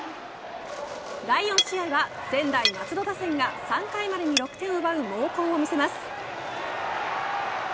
第４試合は専大松戸打線が３回までに６点を奪う猛攻を見せます。